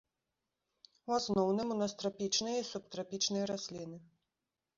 У асноўным, у нас трапічныя і субтрапічныя расліны.